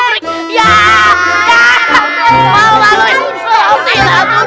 jangan nanya robek